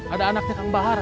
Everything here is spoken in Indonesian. ada anaknya kang bahar